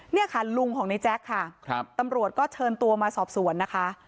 เนี่ยค่ะลุงของในแจ๊คค่ะครับตำรวจก็เชิญตัวมาสอบสวนนะคะ